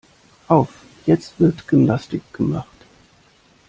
Auf, jetzt wird Gymnastik gemacht.